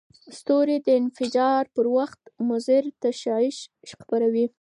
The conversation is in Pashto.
ستوري د انفجار پر وخت مضر تشعشع خپروي.